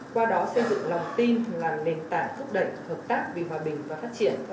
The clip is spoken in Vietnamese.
qua đó xây dựng lòng tin làm nền tảng thúc đẩy hợp tác vì hòa bình và phát triển